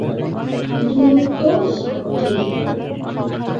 দুরত্ব সাত কিমি।